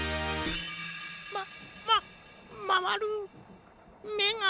まままわるめが。